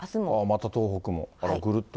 また東北も、ぐるっと。